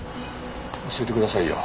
教えてくださいよ